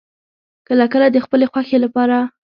کله کله د خپلې خوښې لپاره